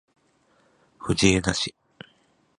藤枝市